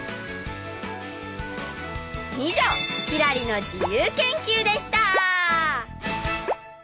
以上「きらりの自由研究」でした！